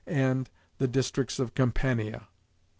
401 districts of Campania.